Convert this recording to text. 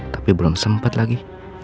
tapi belum sempet lagi